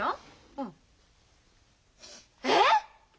うん。えっ！？